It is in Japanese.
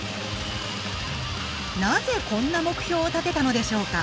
なぜこんな目標を立てたのでしょうか？